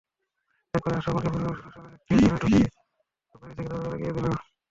একপর্যায়ে আশরাফুলকে পরিবারের সদস্যরা একটি ঘরে ঢুকিয়ে বাইরে থেকে দরজা লাগিয়ে দেন।